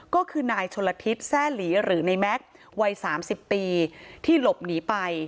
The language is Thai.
ก็คือนายชนละทิศแซ่หลีหรือในแม็กซ์วัย๓๐ปีที่หลบหนีไป